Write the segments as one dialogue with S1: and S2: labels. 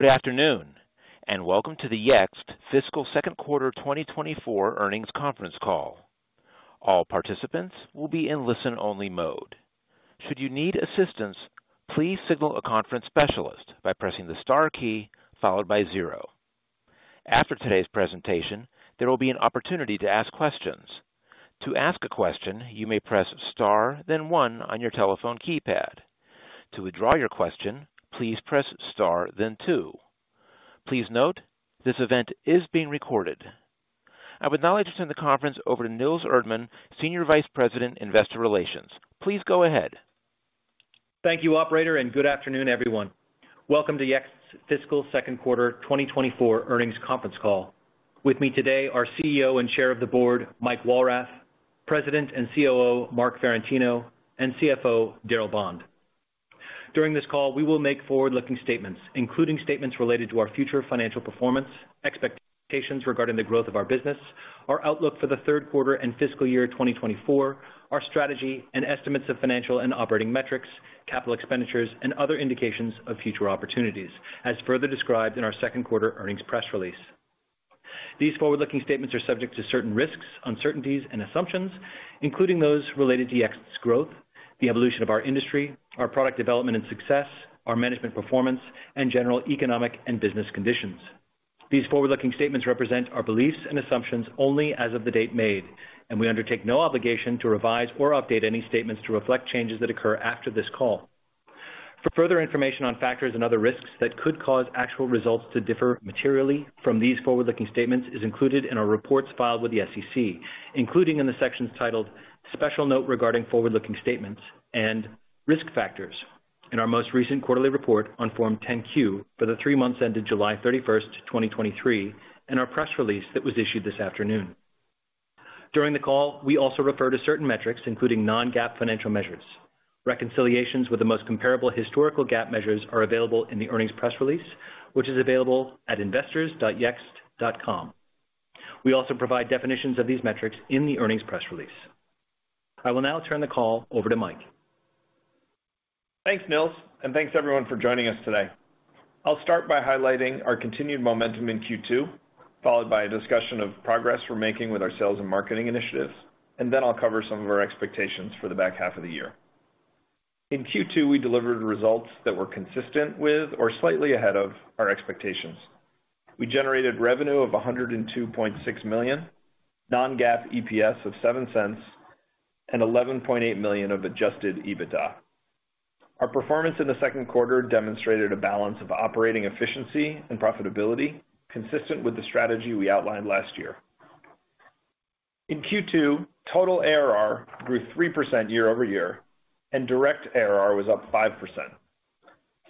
S1: Good afternoon, and welcome to the Yext fiscal second quarter 2024 earnings conference call. All participants will be in listen-only mode. Should you need assistance, please signal a conference specialist by pressing the star key followed by zero. After today's presentation, there will be an opportunity to ask questions. To ask a question, you may press star, then one on your telephone keypad. To withdraw your question, please press star, then two. Please note, this event is being recorded. I would now like to turn the conference over to Nils Erdmann, Senior Vice President, Investor Relations. Please go ahead.
S2: Thank you, operator, and good afternoon, everyone. Welcome to Yext's fiscal second quarter 2024 earnings conference call. With me today are CEO and Chair of the Board, Mike Walrath, President and COO, Marc Ferrentino, and CFO, Darryl Bond. During this call, we will make forward-looking statements, including statements related to our future financial performance, expectations regarding the growth of our business, our outlook for the third quarter and fiscal year 2024, our strategy and estimates of financial and operating metrics, capital expenditures, and other indications of future opportunities, as further described in our second quarter earnings press release. These forward-looking statements are subject to certain risks, uncertainties and assumptions, including those related to Yext's growth, the evolution of our industry, our product development and success, our management performance, and general economic and business conditions. These forward-looking statements represent our beliefs and assumptions only as of the date made, and we undertake no obligation to revise or update any statements to reflect changes that occur after this call. For further information on factors and other risks that could cause actual results to differ materially from these forward-looking statements is included in our reports filed with the SEC, including in the sections titled Special Note regarding Forward-Looking Statements and Risk Factors in our most recent quarterly report on Form 10-Q for the three months ended July 31, 2023, and our press release that was issued this afternoon. During the call, we also refer to certain metrics, including non-GAAP financial measures. Reconciliations with the most comparable historical GAAP measures are available in the earnings press release, which is available at investors.yext.com. We also provide definitions of these metrics in the earnings press release. I will now turn the call over to Mike.
S3: Thanks, Nils, and thanks everyone for joining us today. I'll start by highlighting our continued momentum in Q2, followed by a discussion of progress we're making with our sales and marketing initiatives, and then I'll cover some of our expectations for the back half of the year. In Q2, we delivered results that were consistent with or slightly ahead of our expectations. We generated revenue of $102.6 million, non-GAAP EPS of $0.07, and $11.8 million of adjusted EBITDA. Our performance in the second quarter demonstrated a balance of operating efficiency and profitability, consistent with the strategy we outlined last year. In Q2, total ARR grew 3% year-over-year, and direct ARR was up 5%.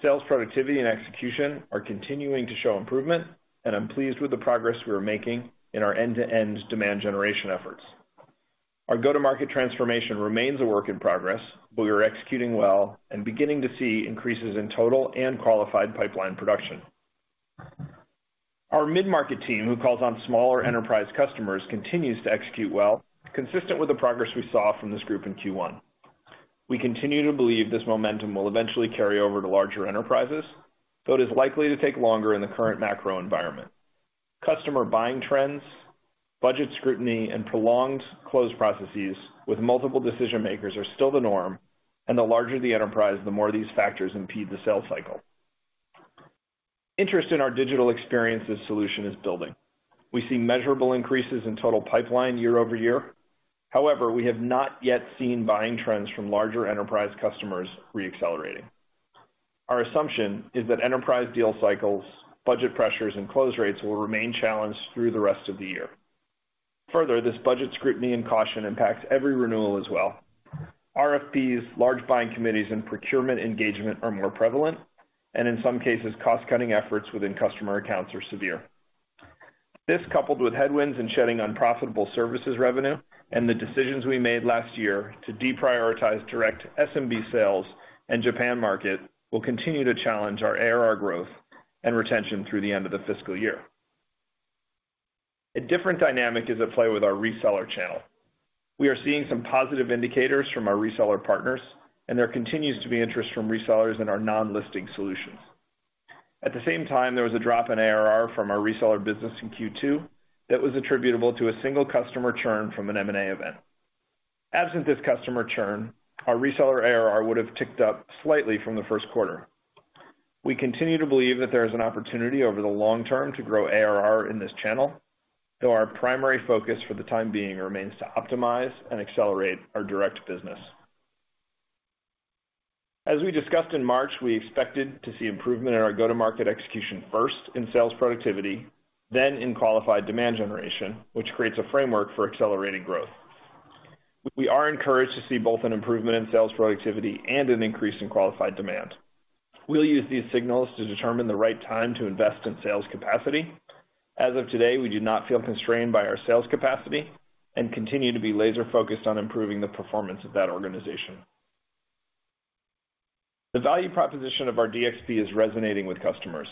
S3: Sales, productivity and execution are continuing to show improvement, and I'm pleased with the progress we are making in our end-to-end demand generation efforts. Our go-to-market transformation remains a work in progress, but we are executing well and beginning to see increases in total and qualified pipeline production. Our mid-market team, who calls on smaller enterprise customers, continues to execute well, consistent with the progress we saw from this group in Q1. We continue to believe this momentum will eventually carry over to larger enterprises, though it is likely to take longer in the current macro environment. Customer buying trends, budget scrutiny, and prolonged close processes with multiple decision-makers are still the norm, and the larger the enterprise, the more these factors impede the sales cycle. Interest in our digital experiences solution is building. We see measurable increases in total pipeline year-over-year. However, we have not yet seen buying trends from larger enterprise customers reaccelerating. Our assumption is that enterprise deal cycles, budget pressures, and close rates will remain challenged through the rest of the year. Further, this budget scrutiny and caution impacts every renewal as well. RFPs, large buying committees, and procurement engagement are more prevalent, and in some cases, cost-cutting efforts within customer accounts are severe. This, coupled with headwinds and shedding unprofitable services revenue and the decisions we made last year to deprioritize direct SMB sales and Japan market, will continue to challenge our ARR growth and retention through the end of the fiscal year. A different dynamic is at play with our reseller channel. We are seeing some positive indicators from our reseller partners, and there continues to be interest from resellers in our non-listing solutions. At the same time, there was a drop in ARR from our reseller business in Q2 that was attributable to a single customer churn from an M&A event. Absent this customer churn, our reseller ARR would have ticked up slightly from the first quarter. We continue to believe that there is an opportunity over the long term to grow ARR in this channel, though our primary focus for the time being remains to optimize and accelerate our direct business. As we discussed in March, we expected to see improvement in our go-to-market execution first in sales productivity, then in qualified demand generation, which creates a framework for accelerating growth. We are encouraged to see both an improvement in sales productivity and an increase in qualified demand. We'll use these signals to determine the right time to invest in sales capacity. As of today, we do not feel constrained by our sales capacity and continue to be laser-focused on improving the performance of that organization. The value proposition of our DXP is resonating with customers.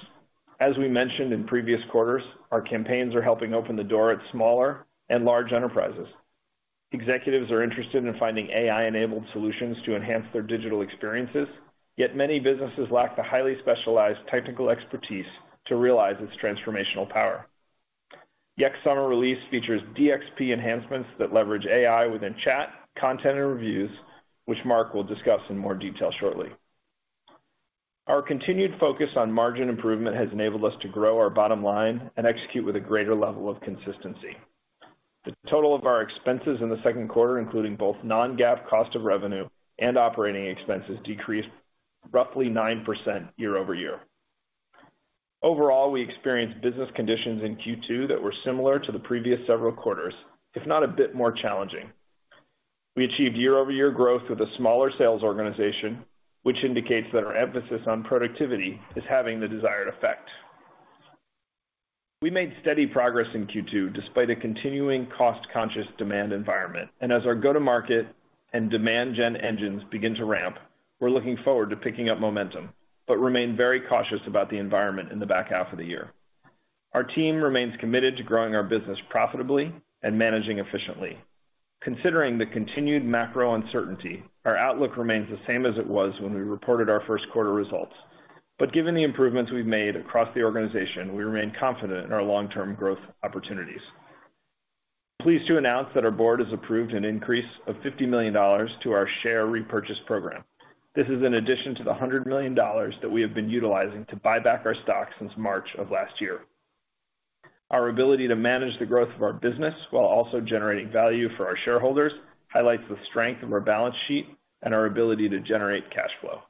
S3: As we mentioned in previous quarters, our campaigns are helping open the door at smaller and large enterprises.... Executives are interested in finding AI-enabled solutions to enhance their digital experiences, yet many businesses lack the highly specialized technical expertise to realize its transformational power. The Yext summer release features DXP enhancements that leverage AI within chat, content, and reviews, which Marc will discuss in more detail shortly. Our continued focus on margin improvement has enabled us to grow our bottom line and execute with a greater level of consistency. The total of our expenses in the second quarter, including both non-GAAP cost of revenue and operating expenses, decreased roughly 9% year-over-year. Overall, we experienced business conditions in Q2 that were similar to the previous several quarters, if not a bit more challenging. We achieved year-over-year growth with a smaller sales organization, which indicates that our emphasis on productivity is having the desired effect. We made steady progress in Q2, despite a continuing cost-conscious demand environment, and as our go-to-market and demand gen engines begin to ramp, we're looking forward to picking up momentum, but remain very cautious about the environment in the back half of the year. Our team remains committed to growing our business profitably and managing efficiently. Considering the continued macro uncertainty, our outlook remains the same as it was when we reported our first quarter results. But given the improvements we've made across the organization, we remain confident in our long-term growth opportunities. Pleased to announce that our board has approved an increase of $50 million to our share repurchase program. This is in addition to the $100 million that we have been utilizing to buy back our stock since March of last year. Our ability to manage the growth of our business while also generating value for our shareholders, highlights the strength of our balance sheet and our ability to generate cash flow.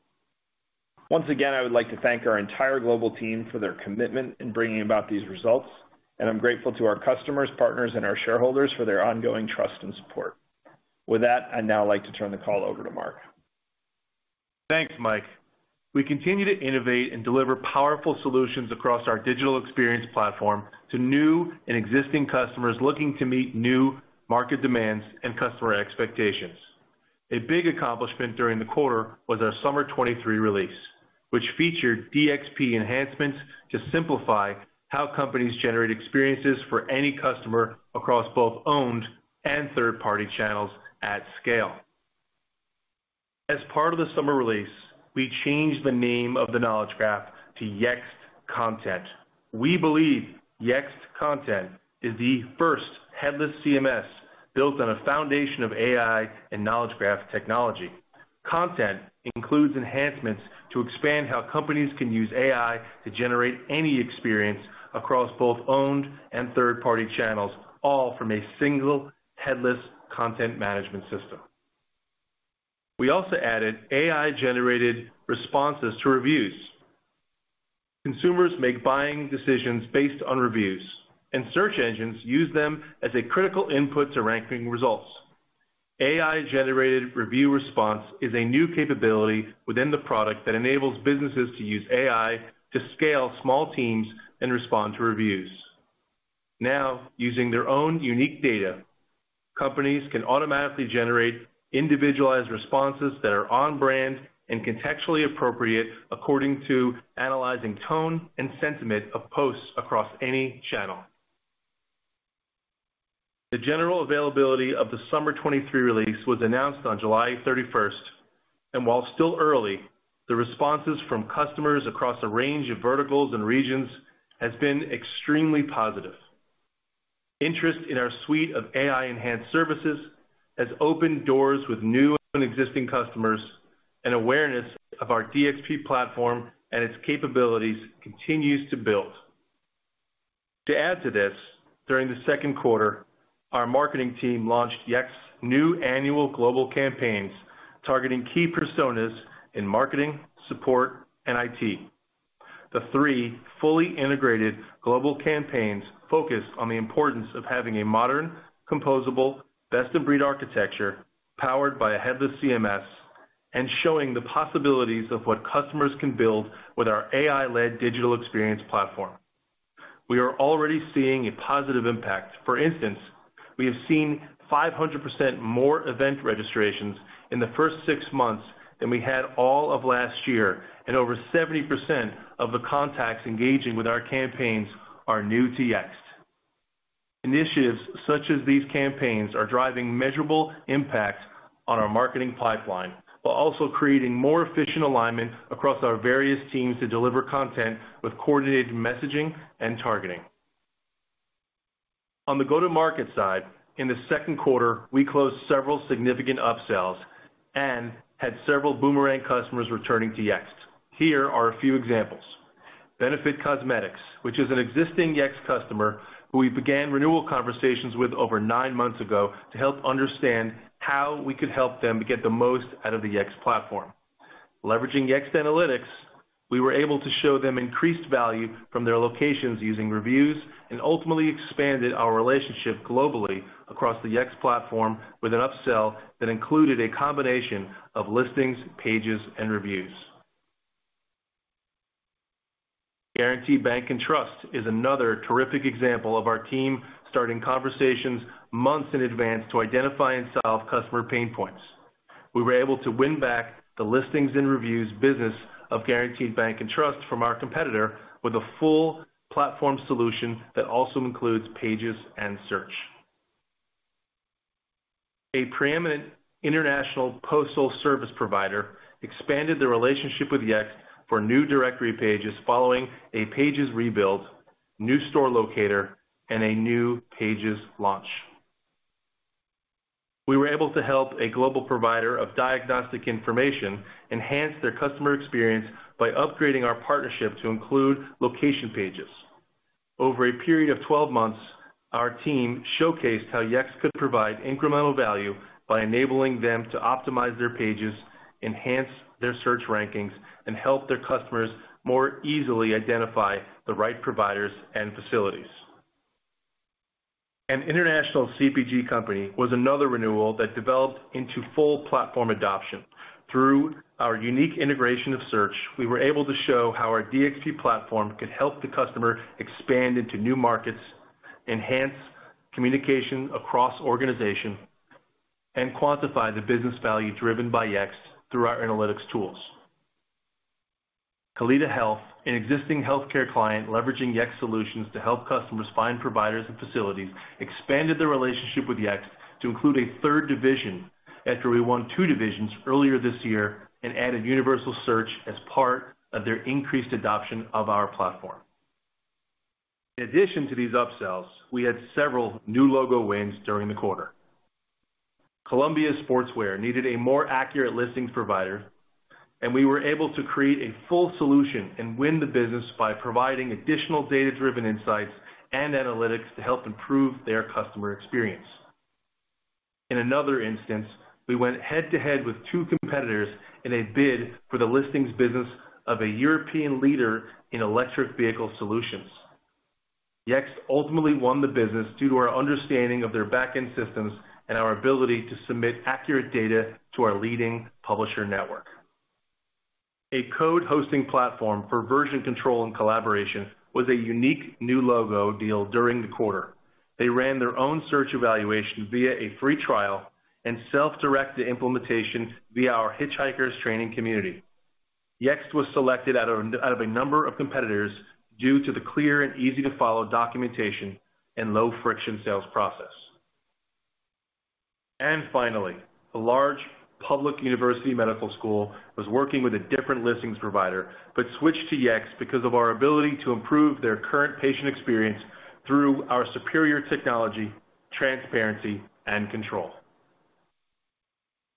S3: Once again, I would like to thank our entire global team for their commitment in bringing about these results, and I'm grateful to our customers, partners, and our shareholders for their ongoing trust and support. With that, I'd now like to turn the call over to Marc.
S4: Thanks, Mike. We continue to innovate and deliver powerful solutions across our digital experience platform to new and existing customers looking to meet new market demands and customer expectations. A big accomplishment during the quarter was our Summer '23 Release, which featured DXP enhancements to simplify how companies generate experiences for any customer across both owned and third-party channels at scale. As part of the summer release, we changed the name of the Knowledge Graph to Yext Content. We believe Yext Content is the first headless CMS built on a foundation of AI and knowledge graph technology. Content includes enhancements to expand how companies can use AI to generate any experience across both owned and third-party channels, all from a single headless content management system. We also added AI-generated responses to reviews. Consumers make buying decisions based on reviews, and search engines use them as a critical input to ranking results. AI-generated review response is a new capability within the product that enables businesses to use AI to scale small teams and respond to reviews. Now, using their own unique data, companies can automatically generate individualized responses that are on brand and contextually appropriate, according to analyzing tone and sentiment of posts across any channel. The general availability of the Summer '23 Release was announced on July 31st, and while still early, the responses from customers across a range of verticals and regions has been extremely positive. Interest in our suite of AI-enhanced services has opened doors with new and existing customers, and awareness of our DXP platform and its capabilities continues to build. To add to this, during the second quarter, our marketing team launched Yext's new annual global campaigns, targeting key personas in marketing, support, and IT. The three fully integrated global campaigns focus on the importance of having a modern, composable, best-of-breed architecture, powered by a headless CMS, and showing the possibilities of what customers can build with our AI-led digital experience platform. We are already seeing a positive impact. For instance, we have seen 500% more event registrations in the first six months than we had all of last year, and over 70% of the contacts engaging with our campaigns are new to Yext. Initiatives such as these campaigns are driving measurable impact on our marketing pipeline, while also creating more efficient alignment across our various teams to deliver content with coordinated messaging and targeting. On the go-to-market side, in the second quarter, we closed several significant upsells and had several boomerang customers returning to Yext. Here are a few examples: Benefit Cosmetics, which is an existing Yext customer, who we began renewal conversations with over nine months ago to help understand how we could help them to get the most out of the Yext platform. Leveraging Yext Analytics, we were able to show them increased value from their locations using reviews, and ultimately expanded our relationship globally across the Yext platform with an upsell that included a combination of listings, pages, and reviews. Guaranty Bank & Trust is another terrific example of our team starting conversations months in advance to identify and solve customer pain points.... We were able to win back the listings and reviews business of Guaranty Bank & Trust from our competitor with a full platform solution that also includes pages and search. A preeminent international postal service provider expanded the relationship with Yext for new directory pages following a pages rebuild, new store locator, and a new pages launch. We were able to help a global provider of diagnostic information enhance their customer experience by upgrading our partnership to include location pages. Over a period of 12 months, our team showcased how Yext could provide incremental value by enabling them to optimize their pages, enhance their search rankings, and help their customers more easily identify the right providers and facilities. An international CPG company was another renewal that developed into full platform adoption. Through our unique integration of search, we were able to show how our DXP platform could help the customer expand into new markets, enhance communication across organizations, and quantify the business value driven by Yext through our analytics tools. Kaleida Health, an existing healthcare client leveraging Yext solutions to help customers find providers and facilities, expanded their relationship with Yext to include a third division after we won two divisions earlier this year and added universal search as part of their increased adoption of our platform. In addition to these upsells, we had several new logo wins during the quarter. Columbia Sportswear needed a more accurate listings provider, and we were able to create a full solution and win the business by providing additional data-driven insights and analytics to help improve their customer experience. In another instance, we went head-to-head with two competitors in a bid for the listings business of a European leader in electric vehicle solutions. Yext ultimately won the business due to our understanding of their back-end systems and our ability to submit accurate data to our leading publisher network. A code hosting platform for version control and collaboration was a unique new logo deal during the quarter. They ran their own search evaluation via a free trial and self-directed implementation via our Hitchhikers training community. Yext was selected out of a number of competitors due to the clear and easy-to-follow documentation and low-friction sales process. Finally, a large public university medical school was working with a different listings provider, but switched to Yext because of our ability to improve their current patient experience through our superior technology, transparency, and control.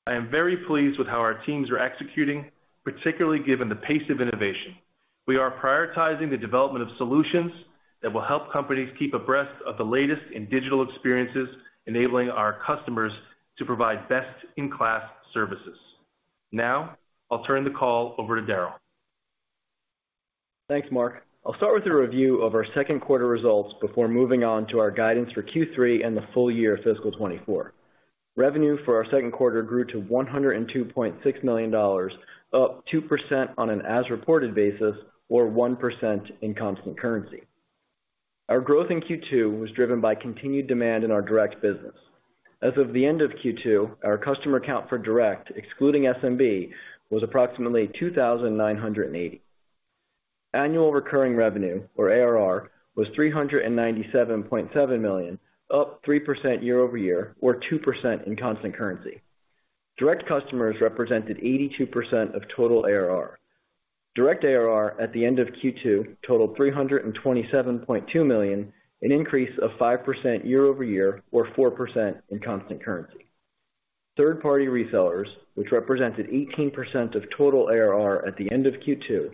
S4: I am very pleased with how our teams are executing, particularly given the pace of innovation. We are prioritizing the development of solutions that will help companies keep abreast of the latest in digital experiences, enabling our customers to provide best-in-class services. Now, I'll turn the call over to Darryl.
S5: Thanks, Marc. I'll start with a review of our second quarter results before moving on to our guidance for Q3 and the full year fiscal 2024. Revenue for our second quarter grew to $102.6 million, up 2% on an as-reported basis, or 1% in constant currency. Our growth in Q2 was driven by continued demand in our direct business. As of the end of Q2, our customer count for direct, excluding SMB, was approximately 2,980. Annual recurring revenue, or ARR, was $397.7 million, up 3% year-over-year, or 2% in constant currency. Direct customers represented 82% of total ARR. Direct ARR at the end of Q2 totaled $327.2 million, an increase of 5% year-over-year, or 4% in constant currency. Third-party resellers, which represented 18% of total ARR at the end of Q2,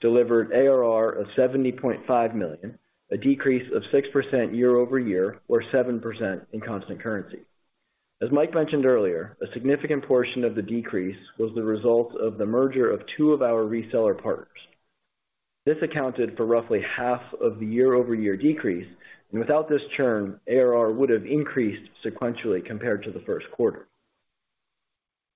S5: delivered ARR of $70.5 million, a decrease of 6% year-over-year, or 7% in constant currency. As Mike mentioned earlier, a significant portion of the decrease was the result of the merger of two of our reseller partners. This accounted for roughly half of the year-over-year decrease, and without this churn, ARR would have increased sequentially compared to the first quarter.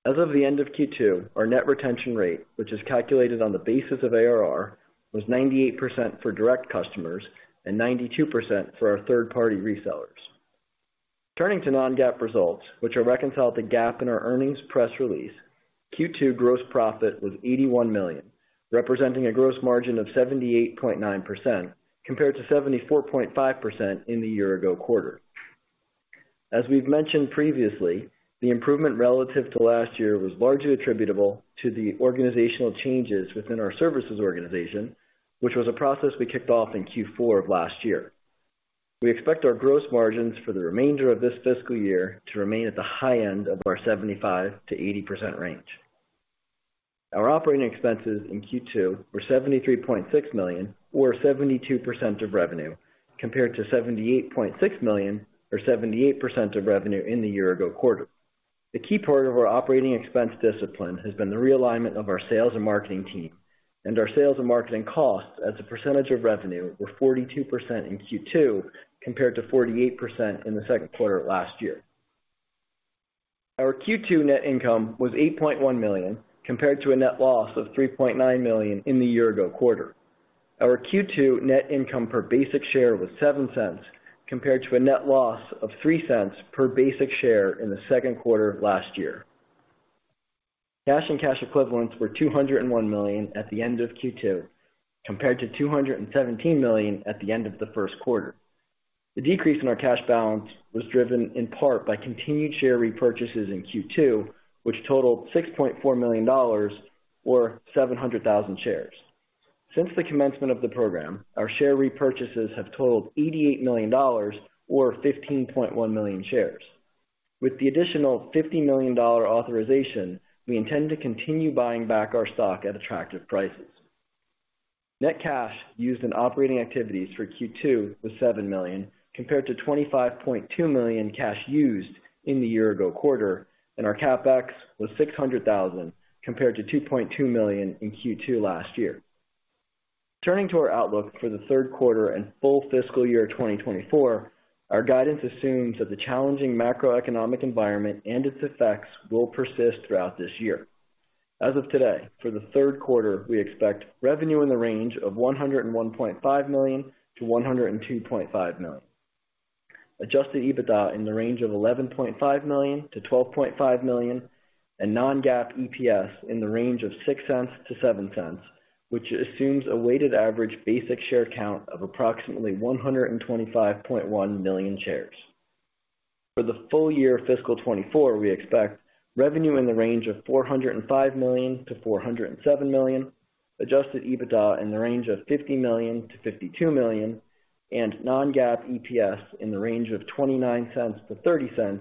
S5: As of the end of Q2, our net retention rate, which is calculated on the basis of ARR, was 98% for direct customers and 92% for our third-party resellers. Turning to non-GAAP results, which are reconciled to GAAP in our earnings press release, Q2 gross profit was $81 million, representing a gross margin of 78.9%, compared to 74.5% in the year-ago quarter. As we've mentioned previously, the improvement relative to last year was largely attributable to the organizational changes within our services organization, which was a process we kicked off in Q4 of last year. We expect our gross margins for the remainder of this fiscal year to remain at the high end of our 75%-80% range. Our operating expenses in Q2 were $73.6 million, or 72% of revenue, compared to $78.6 million, or 78% of revenue in the year-ago quarter. A key part of our operating expense discipline has been the realignment of our sales and marketing team, and our sales and marketing costs as a percentage of revenue were 42% in Q2, compared to 48% in the second quarter of last year. Our Q2 net income was $8.1 million, compared to a net loss of $3.9 million in the year-ago quarter....
S3: Our Q2 net income per basic share was $0.07, compared to a net loss of $0.03 per basic share in the second quarter of last year. Cash and cash equivalents were $201 million at the end of Q2, compared to $217 million at the end of the first quarter. The decrease in our cash balance was driven in part by continued share repurchases in Q2, which totaled $6.4 million, or 700,000 shares. Since the commencement of the program, our share repurchases have totaled $88 million or 15.1 million shares. With the additional $50 million authorization, we intend to continue buying back our stock at attractive prices. Net cash used in operating activities for Q2 was $7 million, compared to $25.2 million cash used in the year ago quarter, and our CapEx was $600,000, compared to $2.2 million in Q2 last year. Turning to our outlook for the third quarter and full fiscal year 2024, our guidance assumes that the challenging macroeconomic environment and its effects will persist throughout this year. As of today, for the third quarter, we expect revenue in the range of $101.5 million-$102.5 million. Adjusted EBITDA in the range of $11.5 million-$12.5 million, and non-GAAP EPS in the range of $0.06-$0.07, which assumes a weighted average basic share count of approximately 125.1 million shares. For the full year fiscal 2024, we expect revenue in the range of $405 million-$407 million, Adjusted EBITDA in the range of $50 million-$52 million, and non-GAAP EPS in the range of $0.29-$0.30,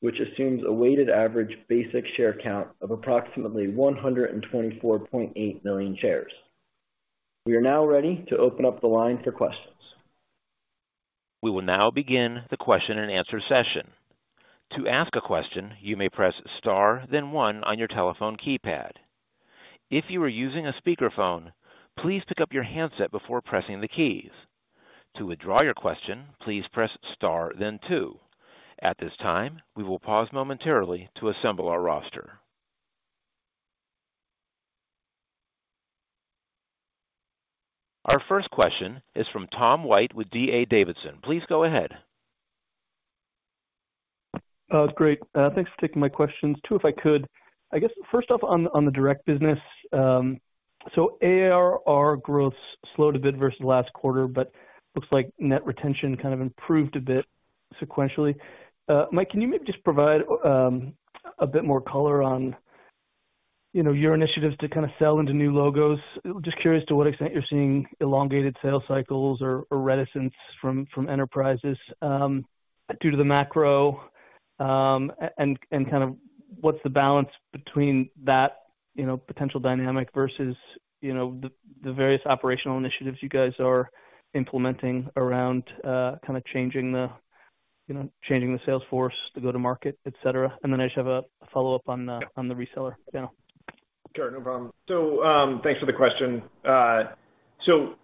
S3: which assumes a weighted average basic share count of approximately 124.8 million shares. We are now ready to open up the line for questions.
S1: We will now begin the question and answer session. To ask a question, you may press Star, then one on your telephone keypad. If you are using a speakerphone, please pick up your handset before pressing the keys. To withdraw your question, please press Star then two. At this time, we will pause momentarily to assemble our roster. Our first question is from Tom White with D.A. Davidson. Please go ahead.
S6: Great. Thanks for taking my questions. Two, if I could. I guess first off, on the direct business, so ARR growth slowed a bit versus last quarter, but looks like net retention kind of improved a bit sequentially. Mike, can you maybe just provide a bit more color on, you know, your initiatives to kind of sell into new logos? Just curious to what extent you're seeing elongated sales cycles or reticence from enterprises due to the macro, and kind of what's the balance between that, you know, potential dynamic versus, you know, the various operational initiatives you guys are implementing around kind of changing the sales force to go-to-market, et cetera. And then I just have a follow-up on the-
S3: Yeah.
S6: On the reseller channel.
S3: Sure, no problem. So, thanks for the question. So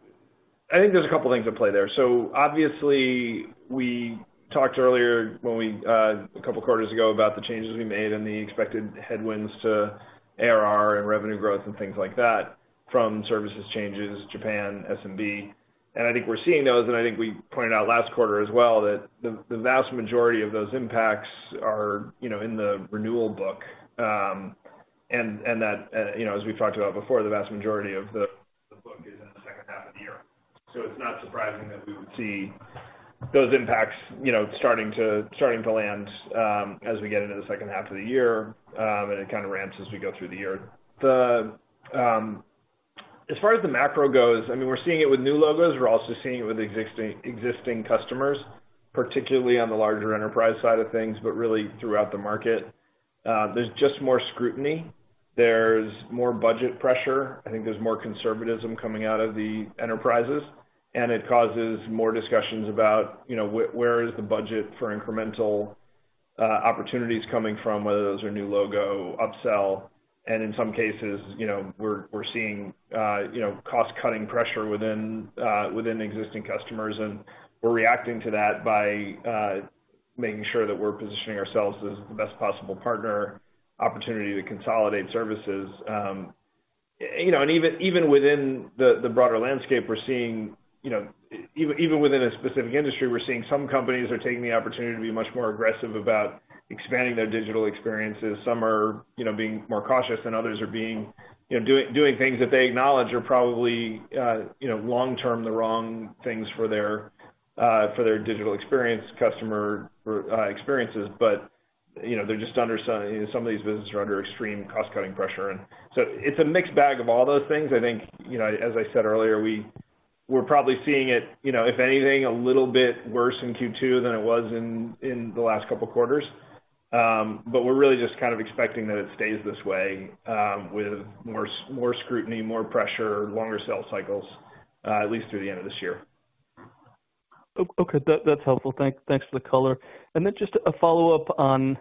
S3: I think there's a couple things at play there. So obviously, we talked earlier when we a couple of quarters ago, about the changes we made and the expected headwinds to ARR and revenue growth and things like that, from services changes, Japan, SMB. And I think we're seeing those, and I think we pointed out last quarter as well, that the vast majority of those impacts are, you know, in the renewal book. And, and that, you know, as we talked about before, the vast majority of the book is in the second half of the year. So it's not surprising that we would see those impacts, you know, starting to land, as we get into the second half of the year, and it kind of ramps as we go through the year. As far as the macro goes, I mean, we're seeing it with new logos. We're also seeing it with existing customers, particularly on the larger enterprise side of things, but really throughout the market. There's just more scrutiny, there's more budget pressure. I think there's more conservatism coming out of the enterprises, and it causes more discussions about, you know, where is the budget for incremental opportunities coming from, whether those are new logo, upsell, and in some cases, you know, we're seeing, you know, cost-cutting pressure within existing customers. We're reacting to that by making sure that we're positioning ourselves as the best possible partner, opportunity to consolidate services. You know, and even within the broader landscape, we're seeing, you know, even within a specific industry, we're seeing some companies are taking the opportunity to be much more aggressive about expanding their digital experiences. Some are, you know, being more cautious than others are being, you know, doing things that they acknowledge are probably, you know, long-term, the wrong things for their digital experience, customer experiences. But, you know, they're just under some... You know, some of these businesses are under extreme cost-cutting pressure, and so it's a mixed bag of all those things. I think, you know, as I said earlier, we're probably seeing it, you know, if anything, a little bit worse in Q2 than it was in the last couple of quarters. But we're really just kind of expecting that it stays this way, with more scrutiny, more pressure, longer sales cycles, at least through the end of this year.
S6: Okay, that's helpful. Thanks for the color. And then just a follow-up on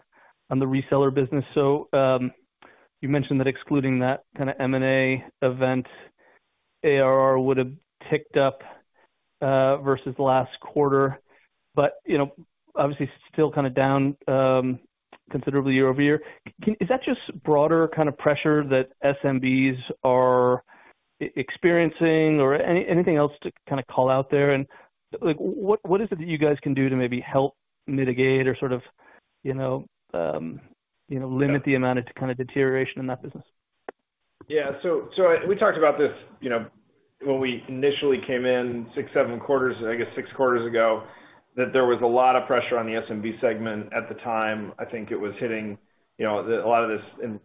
S6: the reseller business. So, you mentioned that excluding that kind of M&A event, ARR would have ticked up? versus last quarter, but, you know, obviously still kind of down considerably year over year. Is that just broader kind of pressure that SMBs are experiencing or anything else to kind of call out there? And, like, what is it that you guys can do to maybe help mitigate or sort of, you know, you know, limit the amount of kind of deterioration in that business?
S3: Yeah. So, so we talked about this, you know, when we initially came in 6, 7 quarters, I guess 6 quarters ago, that there was a lot of pressure on the SMB segment at the time. I think it was hitting, you know, a lot of this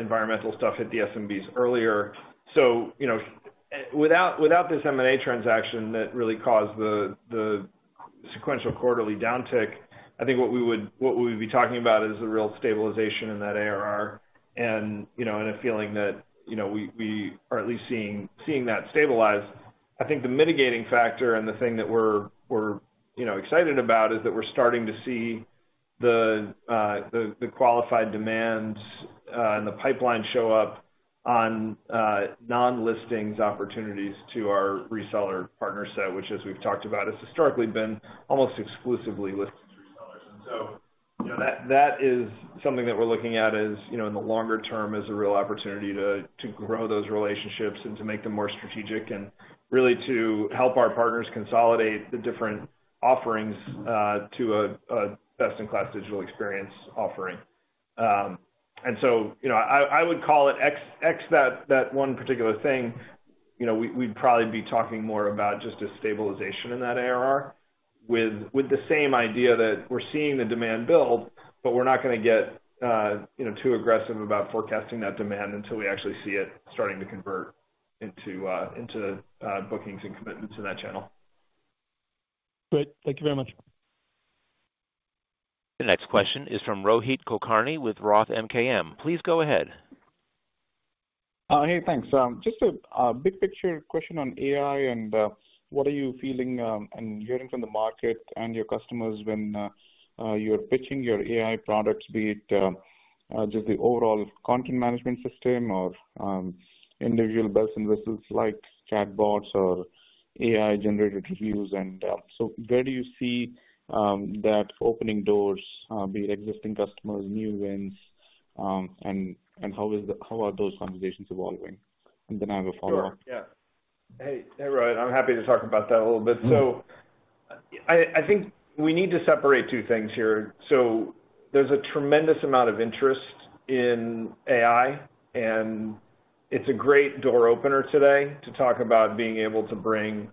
S3: environmental stuff hit the SMBs earlier. So, you know, without, without this M&A transaction that really caused the, the sequential quarterly downtick, I think what we would- what we would be talking about is a real stabilization in that ARR and, you know, and a feeling that, you know, we, we are at least seeing, seeing that stabilize. I think the mitigating factor and the thing that we're, you know, excited about, is that we're starting to see the qualified demands and the pipeline show up on non-listings opportunities to our reseller partner set, which, as we've talked about, has historically been almost exclusively listings resellers. And so, you know, that is something that we're looking at as, you know, in the longer term, as a real opportunity to grow those relationships and to make them more strategic and really to help our partners consolidate the different offerings to a best-in-class digital experience offering. And so, you know, I would call it that one particular thing, you know, we'd probably be talking more about just a stabilization in that ARR, with the same idea that we're seeing the demand build, but we're not gonna get, you know, too aggressive about forecasting that demand until we actually see it starting to convert into bookings and commitments in that channel.
S6: Great. Thank you very much.
S1: The next question is from Rohit Kulkarni with Roth MKM. Please go ahead.
S7: Hey, thanks. Just a big picture question on AI and what are you feeling and hearing from the market and your customers when you're pitching your AI products, be it just the overall content management system or individual bells and whistles, like chatbots or AI-generated reviews? And so where do you see that opening doors, be it existing customers, new wins, and how are those conversations evolving? And then I have a follow-up.
S3: Sure. Yeah. Hey, hey, Rohit. I'm happy to talk about that a little bit.
S7: Mm-hmm.
S3: So I think we need to separate two things here. So there's a tremendous amount of interest in AI, and it's a great door opener today to talk about being able to bring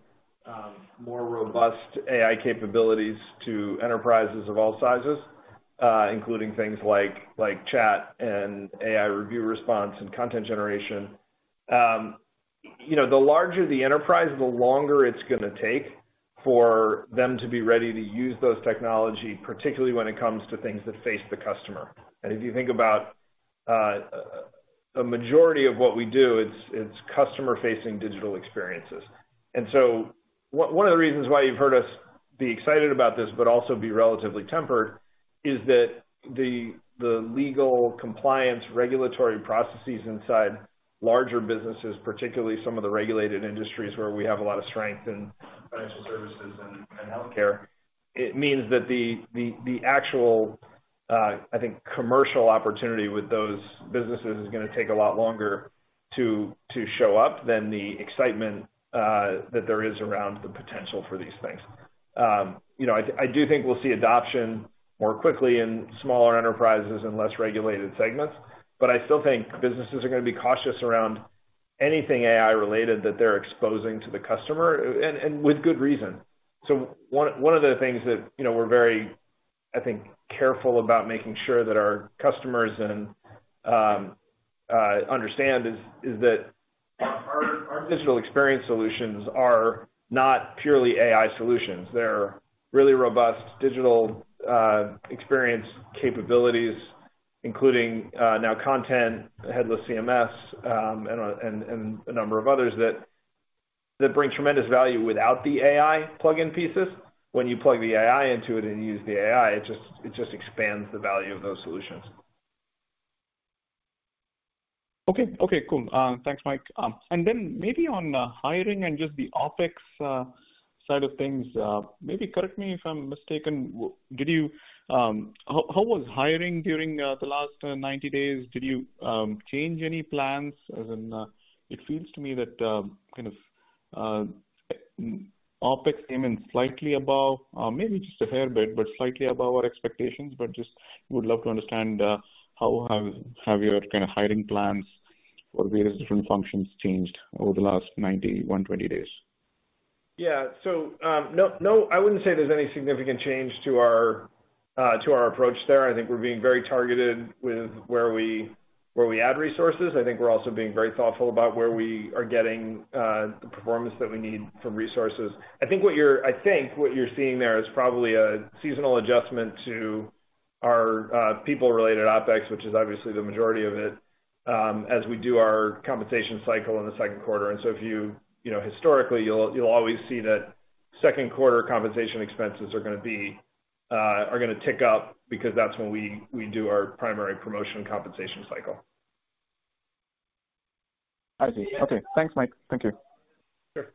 S3: more robust AI capabilities to enterprises of all sizes, including things like, like chat and AI review response and content generation. You know, the larger the enterprise, the longer it's gonna take for them to be ready to use those technology, particularly when it comes to things that face the customer. And if you think about a majority of what we do, it's customer-facing digital experiences. And so one of the reasons why you've heard us be excited about this, but also be relatively tempered, is that the legal compliance, regulatory processes inside larger businesses, particularly some of the regulated industries where we have a lot of strength in financial services and healthcare, it means that the actual, I think commercial opportunity with those businesses is gonna take a lot longer to show up than the excitement that there is around the potential for these things. You know, I do think we'll see adoption more quickly in smaller enterprises and less regulated segments, but I still think businesses are gonna be cautious around anything AI related that they're exposing to the customer, and with good reason. So one of the things that, you know, we're very, I think, careful about making sure that our customers and understand is that our digital experience solutions are not purely AI solutions. They're really robust digital experience capabilities, including now content, headless CMS, and a number of others that bring tremendous value without the AI plug-in pieces. When you plug the AI into it and use the AI, it just expands the value of those solutions.
S7: Okay. Okay, cool. Thanks, Mike. And then maybe on hiring and just the OpEx side of things, maybe correct me if I'm mistaken, did you... How was hiring during the last 90 days? Did you change any plans as in, it feels to me that kind of OpEx came in slightly above, maybe just a fair bit, but slightly above our expectations. But just would love to understand how have your kind of hiring plans or various different functions changed over the last 90, 120 days?
S3: Yeah. So, no, no, I wouldn't say there's any significant change to our, to our approach there. I think we're being very targeted with where we, where we add resources. I think we're also being very thoughtful about where we are getting, the performance that we need from resources. I think what you're—I think what you're seeing there is probably a seasonal adjustment to our, people-related OpEx, which is obviously the majority of it, as we do our compensation cycle in the second quarter. And so if you... You know, historically, you'll, you'll always see that second quarter compensation expenses are gonna be, are gonna tick up because that's when we, we do our primary promotion compensation cycle....
S8: I see. Okay, thanks, Mike. Thank you.
S3: Sure.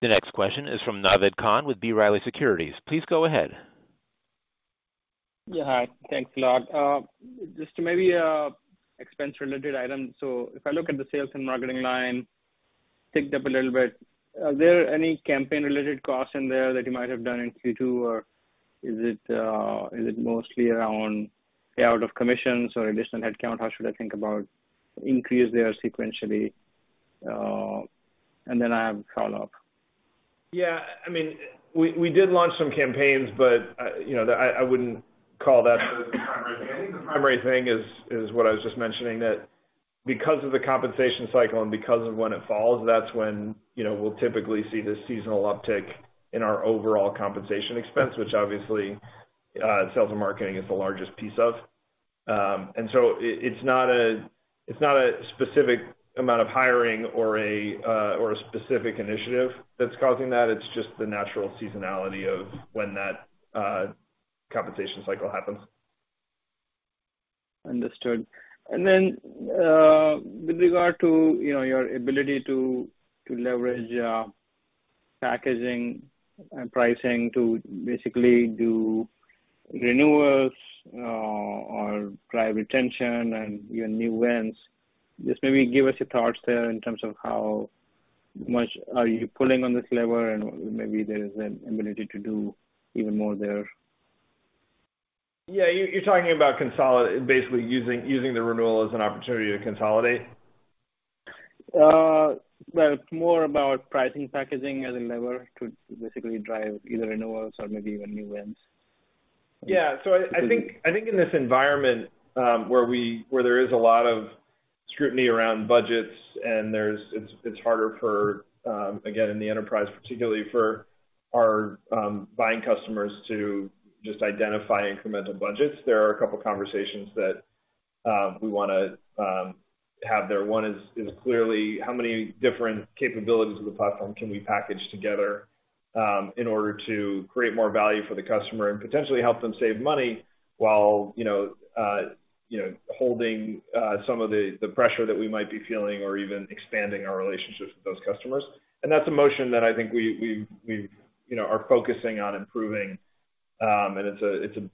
S1: The next question is from Naved Khan with B. Riley Securities. Please go ahead.
S8: Yeah, hi. Thanks a lot. Just to maybe expense-related items. So if I look at the sales and marketing line, ticked up a little bit. Are there any campaign-related costs in there that you might have done in Q2, or is it mostly around payout of commissions or additional headcount? How should I think about increase there sequentially? And then I have a follow-up.
S3: Yeah, I mean, we did launch some campaigns, but you know, I wouldn't call that the primary thing. I think the primary thing is what I was just mentioning, that because of the compensation cycle and because of when it falls, that's when, you know, we'll typically see this seasonal uptick in our overall compensation expense, which obviously sales and marketing is the largest piece of. And so it, it's not a specific amount of hiring or a specific initiative that's causing that. It's just the natural seasonality of when that compensation cycle happens.
S8: Understood. And then, with regard to, you know, your ability to leverage packaging and pricing to basically do renewals or drive retention and your new wins, just maybe give us your thoughts there in terms of how much are you pulling on this lever, and maybe there is an ability to do even more there.
S3: Yeah, you're talking about consolidation, basically, using the renewal as an opportunity to consolidate?
S8: Well, it's more about pricing, packaging as a lever to basically drive either renewals or maybe even new wins.
S3: Yeah. So I think in this environment, where there is a lot of scrutiny around budgets and there's... It's harder for, again, in the enterprise, particularly for our buying customers to just identify incremental budgets. There are a couple of conversations that we wanna have there. One is clearly how many different capabilities of the platform can we package together in order to create more value for the customer and potentially help them save money while, you know, you know, holding some of the pressure that we might be feeling or even expanding our relationships with those customers. And that's a motion that I think we, you know, are focusing on improving, and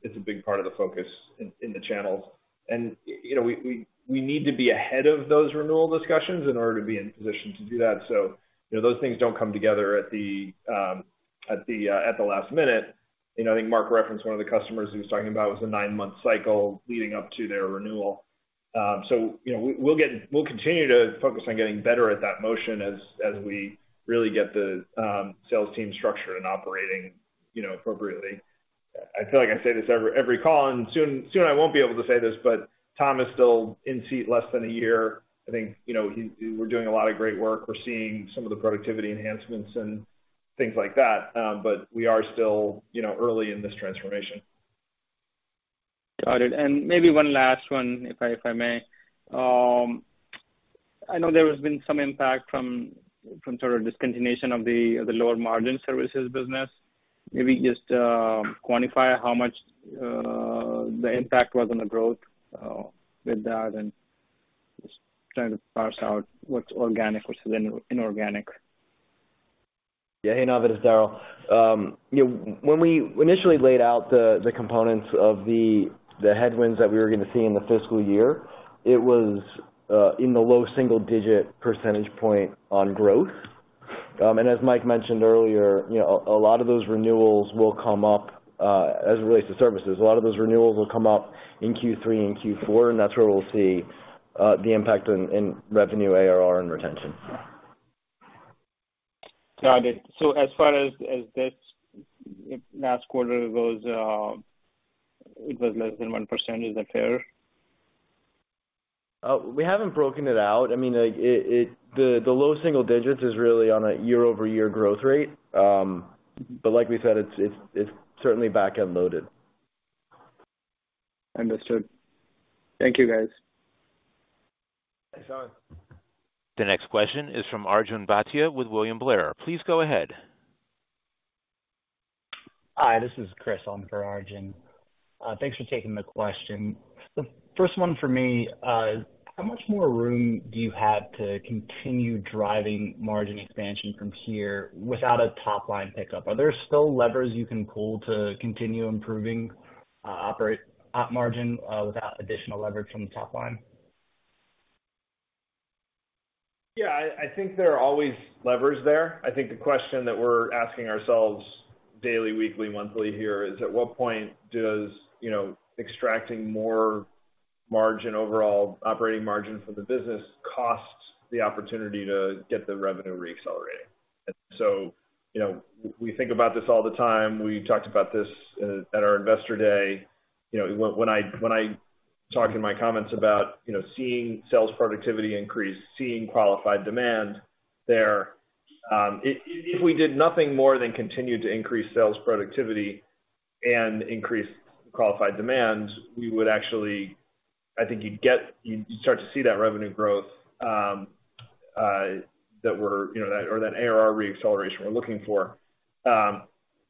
S3: it's a big part of the focus in the channels. You know, we need to be ahead of those renewal discussions in order to be in position to do that. So, you know, those things don't come together at the last minute. You know, I think Marc referenced one of the customers he was talking about, was a 9-month cycle leading up to their renewal. So, you know, we'll continue to focus on getting better at that motion as we really get the sales team structured and operating, you know, appropriately. I feel like I say this every call, and soon I won't be able to say this, but The team is still in seat less than a year. I think, you know, we're doing a lot of great work. We're seeing some of the productivity enhancements and things like that, but we are still, you know, early in this transformation.
S8: Got it. And maybe one last one, if I may. I know there has been some impact from sort of discontinuation of the lower margin services business. Maybe just quantify how much the impact was on the growth with that, and just trying to parse out what's organic, what's inorganic.
S5: Yeah. Hey, Naved, it's Darryl. You know, when we initially laid out the components of the headwinds that we were gonna see in the fiscal year, it was in the low single digit percentage point on growth. And as Mike mentioned earlier, you know, a lot of those renewals will come up as it relates to services, a lot of those renewals will come up in Q3 and Q4, and that's where we'll see the impact in revenue, ARR and retention.
S8: Got it. So as far as, as this last quarter goes, it was less than 1%, is that fair?
S5: We haven't broken it out. I mean, like, it. The low single digits is really on a year-over-year growth rate. But like we said, it's certainly back-end loaded.
S8: Understood. Thank you, guys.
S3: Thanks, Naved.
S1: The next question is from Arjun Bhatia with William Blair. Please go ahead.
S9: Hi, this is Chris on for Arjun. Thanks for taking the question. The first one for me, how much more room do you have to continue driving margin expansion from here without a top-line pickup? Are there still levers you can pull to continue improving operating margin without additional leverage from the top line?
S3: Yeah, I think there are always levers there. I think the question that we're asking ourselves daily, weekly, monthly here is, at what point does, you know, extracting more margin, overall operating margin for the business, cost the opportunity to get the revenue reaccelerating? So, you know, we think about this all the time. We talked about this at our Investor Day. You know, when I talked in my comments about, you know, seeing sales productivity increase, seeing qualified demand there, if we did nothing more than continue to increase sales productivity and increase qualified demand, we would actually... I think you'd get-- you'd start to see that revenue growth, that or that ARR reacceleration we're looking for.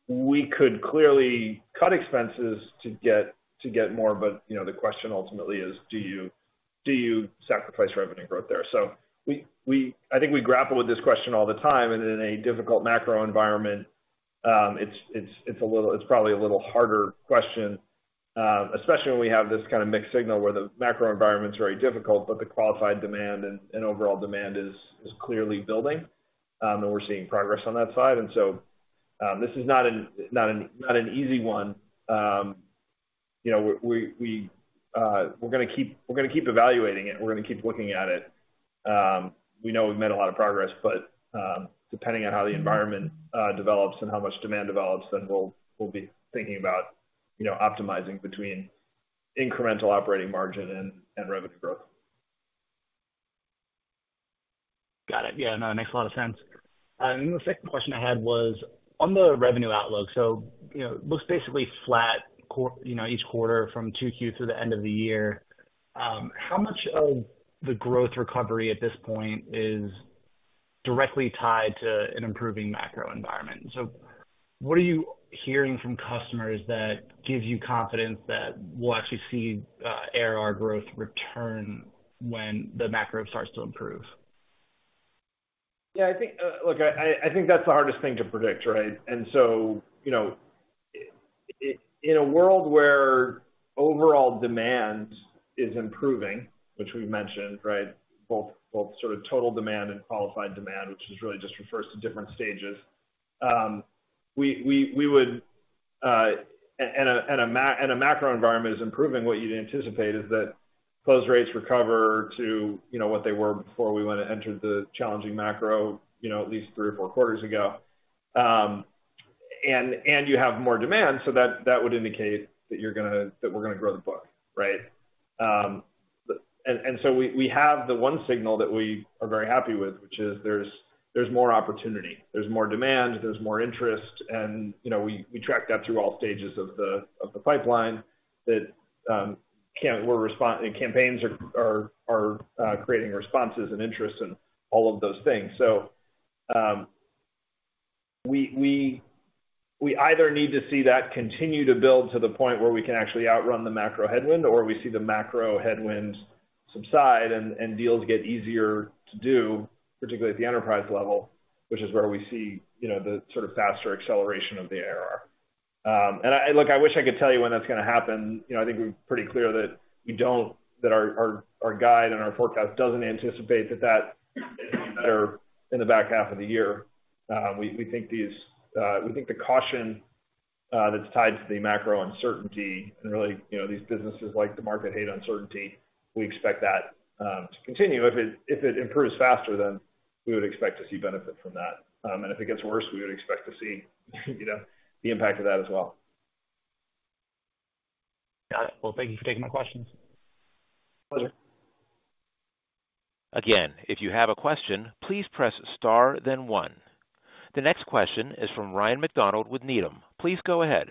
S3: We could clearly cut expenses to get more, but, you know, the question ultimately is: Do you sacrifice revenue growth there? So we—I think we grapple with this question all the time, and in a difficult macro environment, it's a little—it's probably a little harder question, especially when we have this kind of mixed signal where the macro environment is very difficult, but the qualified demand and overall demand is clearly building, and we're seeing progress on that side. And so, this is not an easy one. You know, we're gonna keep evaluating it. We're gonna keep looking at it. We know we've made a lot of progress, but depending on how the environment develops and how much demand develops, then we'll be thinking about, you know, optimizing between incremental operating margin and revenue growth.
S9: Got it. Yeah, no, it makes a lot of sense. The second question I had was on the revenue outlook. You know, looks basically flat, you know, each quarter from 2Q through the end of the year. How much of the growth recovery at this point is directly tied to an improving macro environment? What are you hearing from customers that gives you confidence that we'll actually see ARR growth return when the macro starts to improve?
S3: Yeah, I think, Look, I think that's the hardest thing to predict, right? And so, you know, in a world where overall demand is improving, which we've mentioned, right? Both sort of total demand and qualified demand, which really just refers to different stages. We would - and a macro environment is improving, what you'd anticipate is that close rates recover to, you know, what they were before we went and entered the challenging macro, you know, at least three or four quarters ago. And you have more demand, so that would indicate that you're gonna, that we're gonna grow the book, right? And so we have the one signal that we are very happy with, which is there's more opportunity, there's more demand, there's more interest. You know, we tracked that through all stages of the pipeline, and campaigns are creating responses and interest and all of those things. So, we either need to see that continue to build to the point where we can actually outrun the macro headwind, or we see the macro headwind subside and deals get easier to do, particularly at the enterprise level, which is where we see, you know, the sort of faster acceleration of the ARR. And look, I wish I could tell you when that's gonna happen. You know, I think we're pretty clear that we don't that our guide and our forecast doesn't anticipate that in the back half of the year. We think the caution that's tied to the macro uncertainty and really, you know, these businesses like the market hate uncertainty, we expect that to continue. If it improves faster, then we would expect to see benefit from that. And if it gets worse, we would expect to see, you know, the impact of that as well.
S9: Got it. Well, thank you for taking my questions.
S3: Pleasure.
S1: Again, if you have a question, please press Star, then One. The next question is from Ryan MacDonald with Needham. Please go ahead.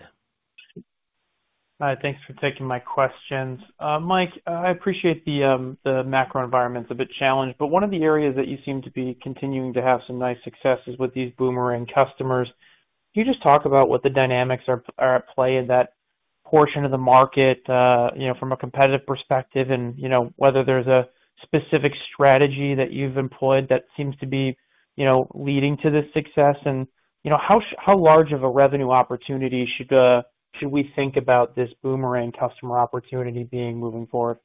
S10: Thanks for taking my questions. Mike, I appreciate the macro environment's a bit challenged, but one of the areas that you seem to be continuing to have some nice success is with these boomerang customers. Can you just talk about what the dynamics are at play in that portion of the market, you know, from a competitive perspective, and, you know, whether there's a specific strategy that you've employed that seems to be, you know, leading to this success? And, you know, how large of a revenue opportunity should we think about this boomerang customer opportunity being moving forward?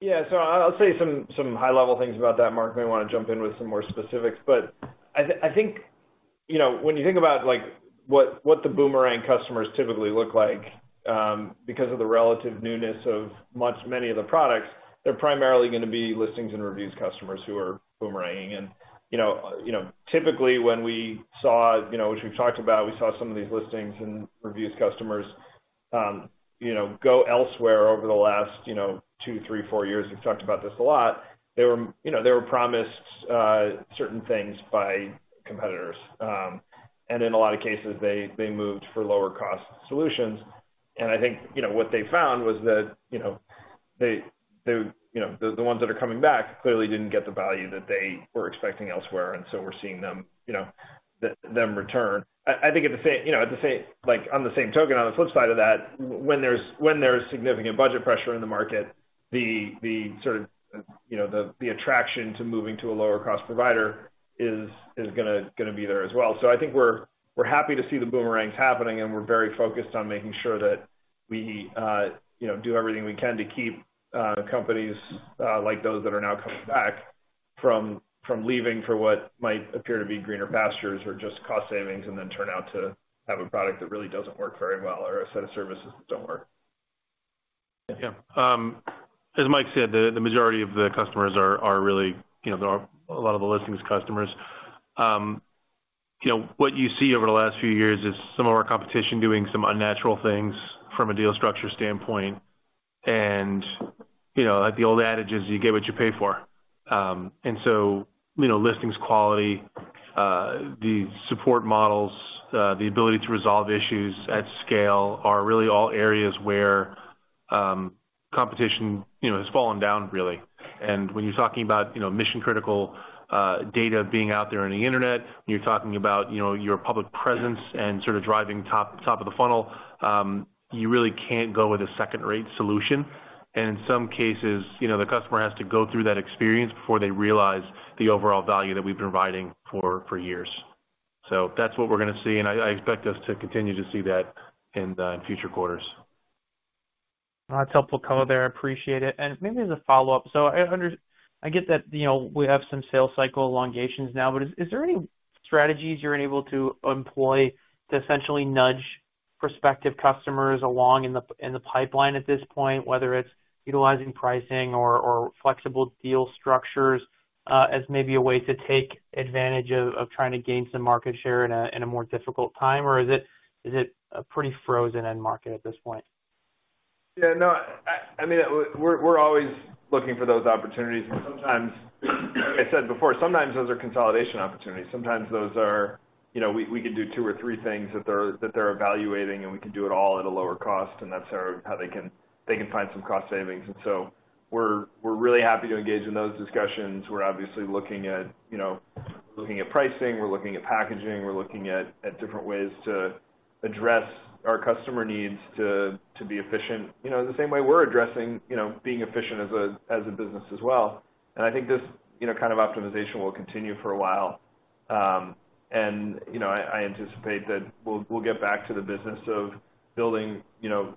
S3: Yeah. So I'll tell you some high-level things about that. Marc may want to jump in with some more specifics. But I think, you know, when you think about, like, what the boomerang customers typically look like, because of the relative newness of much many of the products, they're primarily gonna be listings and reviews customers who are boomeranging. And, you know, you know, typically, when we saw, you know, which we've talked about, we saw some of these listings and reviews customers, you know, go elsewhere over the last, you know, 2, 3, 4 years, we've talked about this a lot. They were, you know, they were promised certain things by competitors. And in a lot of cases, they moved for lower-cost solutions. I think, you know, what they found was that, you know, the ones that are coming back clearly didn't get the value that they were expecting elsewhere, and so we're seeing them, you know, them return. I think, you know, like, on the same token, on the flip side of that, when there's significant budget pressure in the market, the sort of, you know, the attraction to moving to a lower-cost provider is gonna be there as well. So, I think we're happy to see the boomerangs happening, and we're very focused on making sure that we, you know, do everything we can to keep companies like those that are now coming back from leaving for what might appear to be greener pastures or just cost savings, and then turn out to have a product that really doesn't work very well or a set of services that don't work.
S4: Yeah. As Mike said, the majority of the customers are really, you know, there are a lot of the listings customers. You know, what you see over the last few years is some of our competition doing some unnatural things from a deal structure standpoint. And, you know, like the old adage is, you get what you pay for. And so, you know, listings quality-...
S11: the support models, the ability to resolve issues at scale are really all areas where, competition, you know, has fallen down, really. And when you're talking about, you know, mission-critical, data being out there on the internet, when you're talking about, you know, your public presence and sort of driving top of the funnel, you really can't go with a second-rate solution. And in some cases, you know, the customer has to go through that experience before they realize the overall value that we've been providing for years. So that's what we're gonna see, and I expect us to continue to see that in future quarters.
S10: That's helpful color there. I appreciate it. And maybe as a follow-up: So I get that, you know, we have some sales cycle elongations now, but is there any strategies you're able to employ to essentially nudge prospective customers along in the pipeline at this point, whether it's utilizing pricing or flexible deal structures, as maybe a way to take advantage of trying to gain some market share in a more difficult time? Or is it a pretty frozen end market at this point?
S11: Yeah, no, I, I mean, we're, we're always looking for those opportunities, and sometimes, like I said before, sometimes those are consolidation opportunities, sometimes those are... You know, we, we could do two or three things that they're, that they're evaluating, and we can do it all at a lower cost, and that's how they can, they can find some cost savings. And so we're, we're really happy to engage in those discussions. We're obviously looking at, you know, looking at pricing, we're looking at packaging, we're looking at, at different ways to address our customer needs to, to be efficient, you know, the same way we're addressing, you know, being efficient as a, as a business as well. And I think this, you know, kind of optimization will continue for a while. You know, I anticipate that we'll get back to the business of building, you know,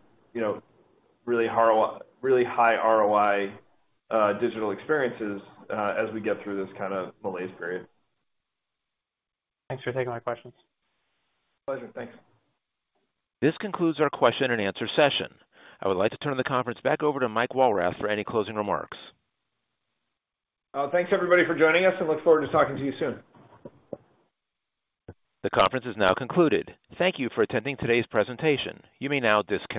S11: really high ROI digital experiences as we get through this kind of malaise period.
S10: Thanks for taking my questions.
S11: Pleasure. Thanks.
S1: This concludes our question and answer session. I would like to turn the conference back over to Mike Walrath for any closing remarks.
S11: Thanks, everybody, for joining us, and look forward to talking to you soon.
S1: The conference is now concluded. Thank you for attending today's presentation. You may now disconnect.